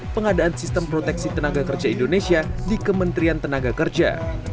pengadaan sistem proteksi tenaga kerja indonesia di kementerian tenaga kerja